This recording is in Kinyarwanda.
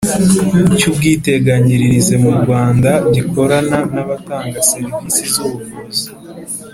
Cy ubwiteganyirize mu rwanda gikorana n abatanga serivisi z ubuvuzi